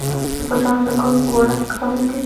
د پاچاهانو د کړنو په باره کې کتاب ولیکي.